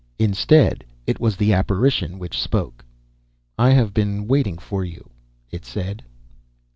Instead, it was the apparition which spoke. "I have been waiting for you," it said.